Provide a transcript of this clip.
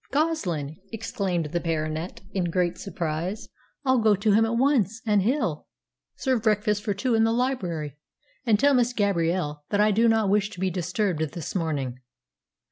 "Goslin!" exclaimed the Baronet, in great surprise. "I'll go to him at once; and Hill, serve breakfast for two in the library, and tell Miss Gabrielle that I do not wish to be disturbed this morning."